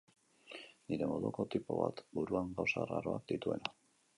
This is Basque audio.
Nire moduko tipo bat, buruan gauza arraroak dituena.